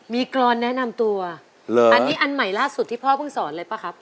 มีกรอนแนะนำตัวอันนี้อันใหม่ล่าสุดที่พ่อเพิ่งสอนเลยป่ะครับ